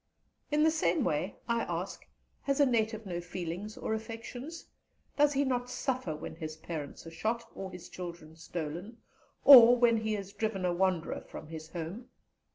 In the same way, I ask, has a native no feelings or affections? does he not suffer when his parents are shot, or his children stolen, or when he is driven a wanderer from his home?